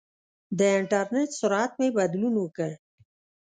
د انټرنېټ سرعت مې بدلون وکړ.